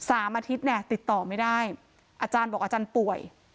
อาทิตย์เนี่ยติดต่อไม่ได้อาจารย์บอกอาจารย์ป่วย